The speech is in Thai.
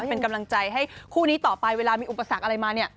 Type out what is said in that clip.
เป็นกำลังใจให้คู่นี้ต่อไปเวลามีอุปสรรคอะไรมาเนี่ย